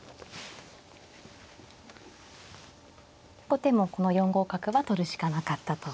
後手もこの４五角は取るしかなかったと。